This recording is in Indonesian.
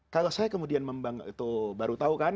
kalau saya kemudian membangun itu baru tahu kan